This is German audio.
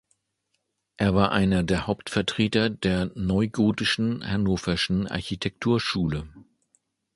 Er war einer der Hauptvertreter der neugotischen Hannoverschen Architekturschule.